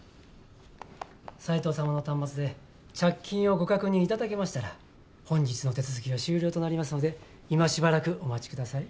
斎藤様の端末で着金をご確認いただけましたら本日の手続きは終了となりますので今しばらくお待ちください。